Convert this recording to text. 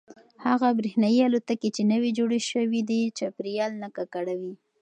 هغه برېښنايي الوتکې چې نوې جوړې شوي دي چاپیریال نه ککړوي.